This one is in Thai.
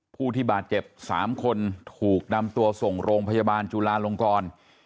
ผู้ที่บาดเจ็บ๓คนถูกนำตัวส่งโรงพยาบาลจุลาลงกร